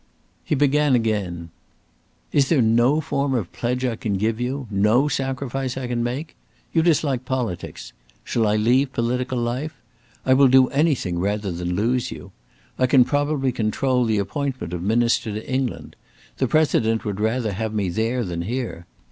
He began again: "Is there no form of pledge I can give you? no sacrifice I can make? You dislike politics. Shall I leave political life? I will do anything rather than lose you. I can probably control the appointment of Minister to England. The President would rather have me there than here.